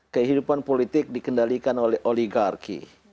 kehidupan politik dikendalikan oleh oligarki